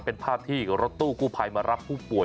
เป็นภาพที่รถตู้กู้ภัยมารับผู้ป่วย